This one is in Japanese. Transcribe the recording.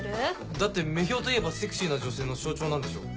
だって女豹といえばセクシーな女性の象徴なんでしょ？